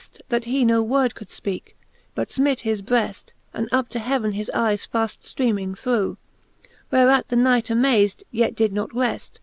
That he no word could fpeake, but fmit his breft, And up to heaven his eyes faft ftreming threw. Whereat the Knight amaz'd, yet did not reft.